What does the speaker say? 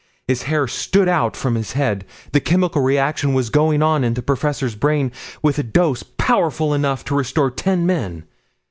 His hair stood out from his head. The chemical reaction was going on in the professor's brain, with a dose powerful enough to restore ten men.